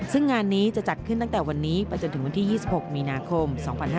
ซึ่งงานนี้จะจัดขึ้นตั้งแต่วันนี้ไปจนถึงวันที่๒๖มีนาคม๒๕๕๙